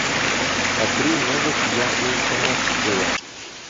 А три новых я ей сама сшила.